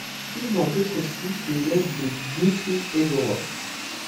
Ivan Petrovski fut l'élève de Dmitri Egorov.